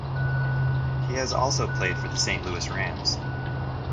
He has also played for the Saint Louis Rams.